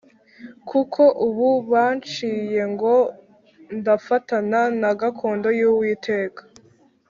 kuko ubu banciye ngo ndafatana na gakondo y’Uwiteka